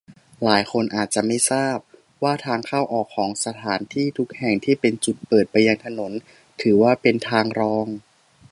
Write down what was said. หลายคนอาจจะไม่ทราบ ว่าทางเข้าออกของสถานที่ทุกแห่งที่เป็นจุดเปิดไปยังถนน ถือว่าเป็นทางรอง